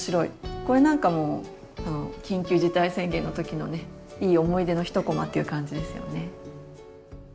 これなんかも多分緊急事態宣言の時のねいい思い出の一こまっていう感じですよね。